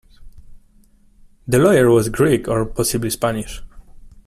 The lawyer was Greek, or possibly Spanish.